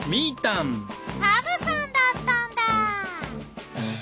カバさんだったんだ。